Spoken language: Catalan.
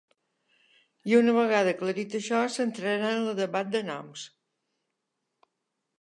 I una vegada aclarit això s’entrarà en el debat de noms.